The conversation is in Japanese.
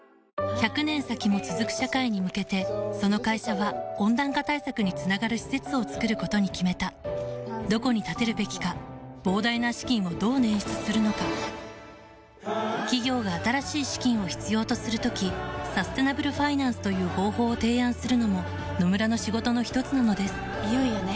１００年先も続く社会に向けてその会社は温暖化対策につながる施設を作ることに決めたどこに建てるべきか膨大な資金をどう捻出するのか企業が新しい資金を必要とする時サステナブルファイナンスという方法を提案するのも野村の仕事のひとつなのですいよいよね。